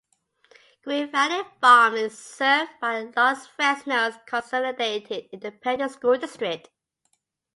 Green Valley Farms is served by the Los Fresnos Consolidated Independent School District.